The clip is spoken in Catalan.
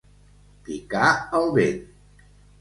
Picar el vent.